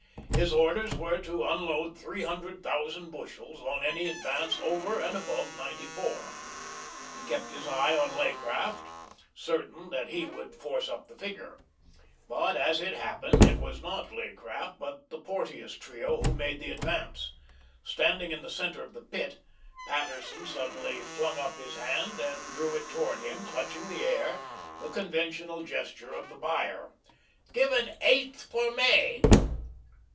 His orders were to unload three hundred thousand bushels on any advance over and above ninety four. He kept his eye on Leaycraft, certain that he would force up the figure. But, as it happened, it was not Leaycraft but the Porteous trio who made the advance. Standing in the centre of the Pit, Patterson suddenly flung up his hand and drew it towards him, clutching the air the conventional gesture of the buyer. "'Give an eighth for May."